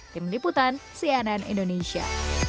tim liputan cnn indonesia